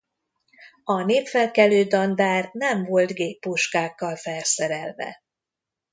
A népfelkelő dandár nem volt géppuskákkal felszerelve.